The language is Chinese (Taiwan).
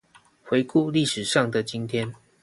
回顧歷史上的今天